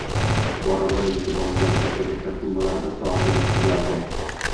Bora-bora yutib olingan katta-katta summalar bir soatda yutqazilardi